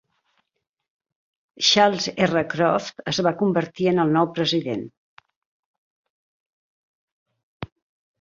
Charles R. Croft es va convertir en el nou president.